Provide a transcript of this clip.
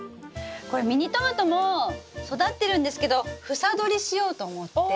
これミニトマトも育ってるんですけど房どりしようと思って。